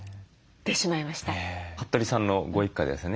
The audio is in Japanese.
服部さんのご一家ではですね